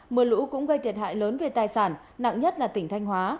mưa lũ cũng gây thiệt hại lớn về tài sản nặng nhất là tỉnh thanh hóa